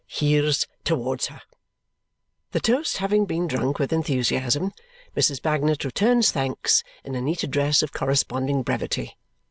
Here's towards her!" The toast having been drunk with enthusiasm, Mrs. Bagnet returns thanks in a neat address of corresponding brevity.